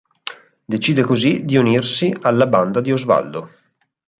Decide così di unirsi alla banda di Osvaldo.